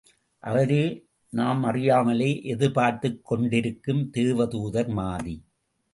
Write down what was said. அவரே நாம் அறியாமலே எதிர்பார்த்துக் கொண்டிருக்கும் தேவதூதர் மாதி!